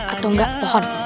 atau enggak pohon